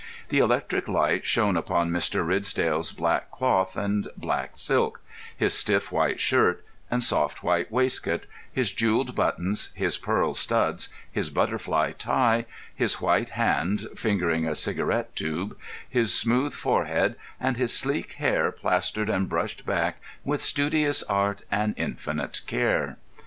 The electric light shone upon Mr. Ridsdale's black cloth and black silk, his stiff white shirt and soft white waistcoat, his jewelled buttons, his pearl studs, his butterfly tie, his white hand fingering a cigarette tube, his smooth forehead, and his sleek hair plastered and brushed back with studious art and infinite care.